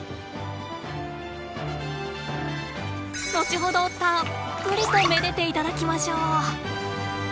後ほどたっぷりとめでていただきましょう。